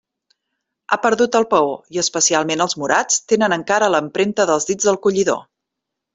Ha perdut el paó, i, especialment els morats, tenen encara l'empremta dels dits del collidor.